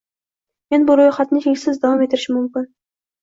Men bu ro‘yxatni cheksiz davom ettirishim mumkin.